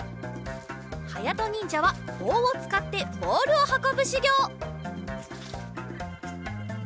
はやとにんじゃはぼうをつかってボールをはこぶしゅぎょう。